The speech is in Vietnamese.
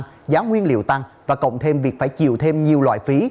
giá sản dầu tăng giá nguyên liệu tăng và cộng thêm việc phải chiều thêm nhiều loại phí